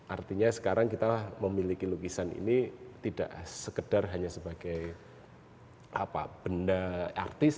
artinya sekarang kita memiliki lukisan ini tidak sekedar hanya sebagai benda artis